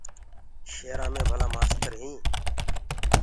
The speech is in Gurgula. شيرآنٚ مي ڀلآ مآستر هينٚ۔